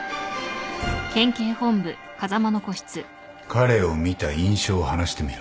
彼を見た印象を話してみろ。